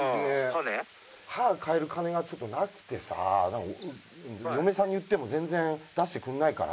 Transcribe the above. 歯替える金がちょっとなくてさ嫁さんに言っても全然出してくれないから。